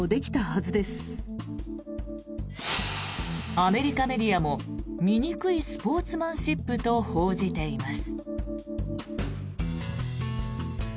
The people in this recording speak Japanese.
アメリカメディアも醜いスポーツマンシップと報じています。